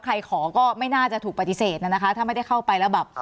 ขอก็ไม่น่าจะถูกปฏิเสธนะคะถ้าไม่ได้เข้าไปแล้วแบบ